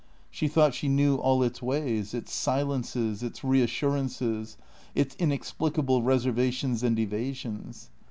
She thought she knew all its ways, its silences, its reassurances, its inexplicable reservations and evasions.